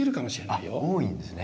あっ多いんですね